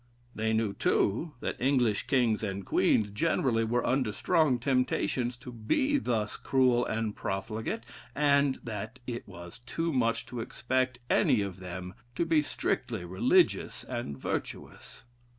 They knew, too, that English kings and queens generally were under strong temptations to be thus cruel and profligate, and that it was too much to expect any of them to be strictly religious and virtuous.